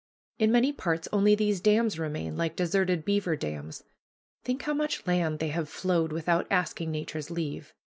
In many parts only these dams remain, like deserted beaver dams. Think how much land they have flowed without asking Nature's leave.